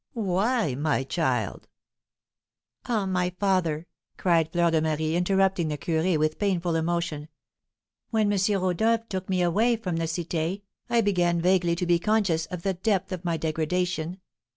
"Why, my child?" "Ah, my father," cried Fleur de Marie, interrupting the curé with painful emotion, "when M. Rodolph took me away from the Cité, I began vaguely to be conscious of the depth of my degradation.